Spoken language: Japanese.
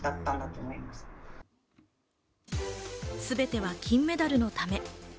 全ては金メダルのため。